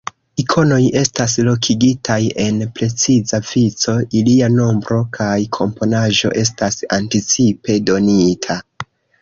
Ikonoj estas lokigitaj en preciza vico, ilia nombro kaj komponaĵo estas anticipe donita.